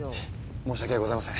申し訳ございません。